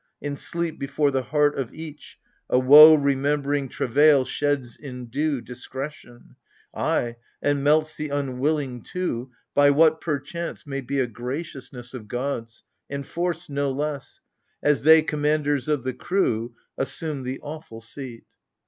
In sleep, before the heart of each, A woe remembering travail sheds in dew Discretion, — ay, and melts the unwilling too By what, perchance, may be a graciousness Of gods, enforced no less, — As they, commanders of the crew, Assume the awful seat.